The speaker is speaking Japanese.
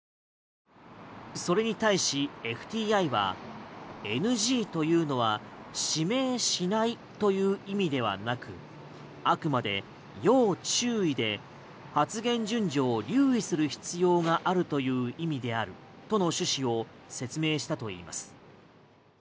それに対しＦＴＩはＮＧというのは指名しないという意味ではなくあくまで要注意で発言順序を留意する必要があると趣旨を説明したといいます。